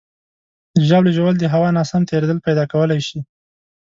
د ژاولې ژوول د هوا ناسم تېرېدل پیدا کولی شي.